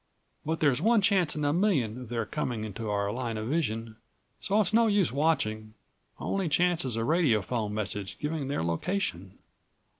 But there's one chance in a million of their coming into our line of vision, so it's no use watching. Only chance is a radiophone message giving their location."